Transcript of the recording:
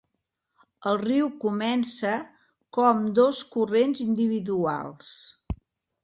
El riu comença com dos corrents individuals.